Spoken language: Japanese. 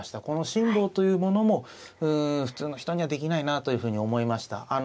この辛抱というものもうん普通の人にはできないなというふうに思いました。